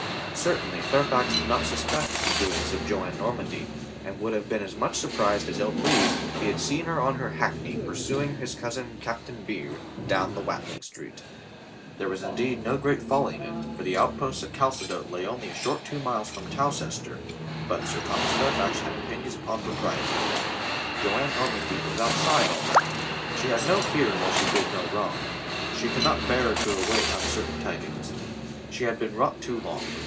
Certainly Fairfax did not suspect the doings of Joan Normandy, and would have been as much surprised as ill pleased if he had seen her on her hackney pursuing his cousin Captain Vere down the Watling Street. There was indeed no great folly in it, for the outposts at Caldecote lay only a short two miles from Towcester, but Sir Thomas Fairfax had opinions upon propriety. Joan Nor mandy was outside all that. She had no fear while she did no wrong. She could not bear to await un certain tidings. She had been wrought too long.